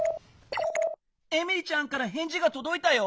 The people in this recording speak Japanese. エミリちゃんからへんじがとどいたよ。